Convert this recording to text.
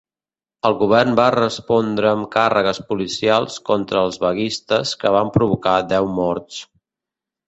El govern va respondre amb càrregues policials contra els vaguistes que van provocar deu morts.